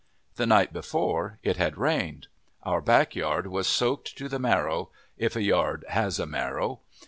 The night before it had rained. Our back yard was soaked to the marrow, if a yard has a marrow.